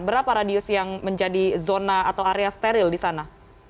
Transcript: berapa radius yang menjadi zona atau area steril di sana